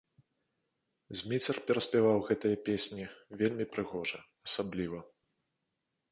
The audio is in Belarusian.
Зміцер пераспяваў гэтыя песні вельмі прыгожа, асабліва.